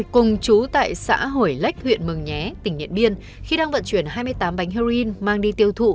cùng chú tại xã hủy lách huyện mường nhé tỉnh điện biên khi đang vận chuyển hai mươi tám bánh heroin mang đi tiêu thụ